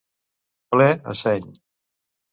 Ple a seny.